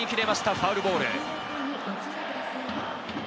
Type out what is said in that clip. ファウルボール。